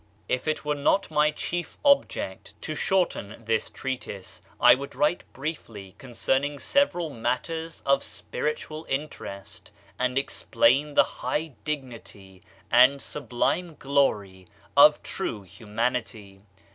If it were not my chief object to shorten this treatise, I would write briefly concerning several matters of spiritual interest, and explain the high dignity and sublime glory of true humanity.